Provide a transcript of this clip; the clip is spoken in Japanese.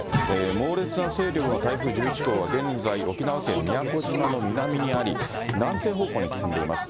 猛烈な勢力の台風１１号は、現在、沖縄県宮古島の南にあり、南西方向に進んでいます。